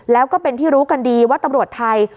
แล้วก็เป็นที่รู้กันดีว่าตำรวจไทย